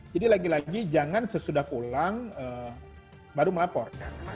jadi lagi lagi jangan sesudah pulang baru melapor